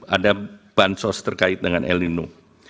ada bansos terkait dengan el nino